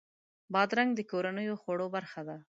بادرنګ د کورنیو خوړو برخه ده.